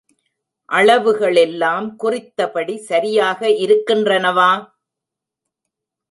அளவுகளெல்லாம் குறித்தபடி சரியாக இருக்கின்றனவா?